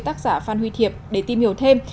tác giả phan huy thiệp để tìm hiểu thêm